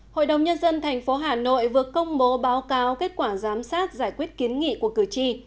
hội đồng nhân dân tp hà nội vừa công bố báo cáo kết quả giám sát giải quyết kiến nghị của cử tri